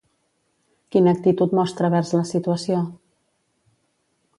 Quina actitud mostra vers la situació?